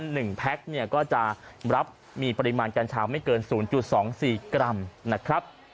แพ็คเนี่ยก็จะรับมีปริมาณกัญชาไม่เกินศูนย์จุดสองสี่กรัมนะครับ